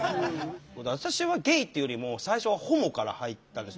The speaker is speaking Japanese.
私はゲイっていうよりも最初はホモから入ったんです。